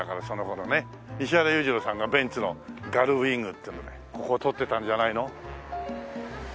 石原裕次郎さんがベンツのガルウイングっていうのでここを通ってたんじゃないの？